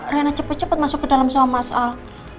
reina cepet cepet masuk ke dalam seumur mas al